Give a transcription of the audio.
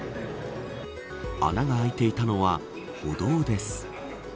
穴が開いていたのは歩道です。